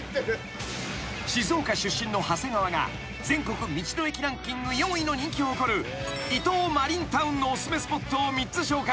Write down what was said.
［静岡出身の長谷川が全国道の駅ランキング４位の人気を誇る伊東マリンタウンのお薦めスポットを３つ紹介］